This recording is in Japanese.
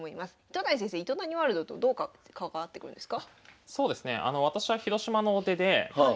糸谷先生「糸谷ワールド」とどう関わってくるんですか？